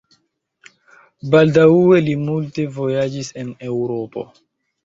Baldaŭe li multe vojaĝis en Eŭropo.